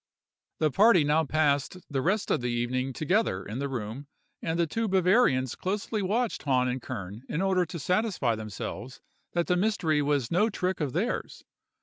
"The party now passed the rest of the evening together in the room, and the two Bavarians closely watched Hahn and Kern in order to satisfy themselves that the mystery was no trick of theirs.